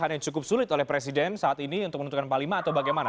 yang cukup sulit oleh presiden saat ini untuk menentukan panglima atau bagaimana